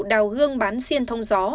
đào gương bán xiên thông gió